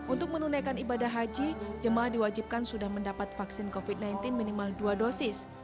untuk menunaikan ibadah haji jemaah diwajibkan sudah mendapat vaksin covid sembilan belas minimal dua dosis